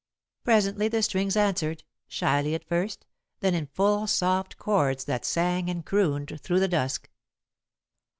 Presently the strings answered, shyly at first, then in full soft chords that sang and crooned through the dusk.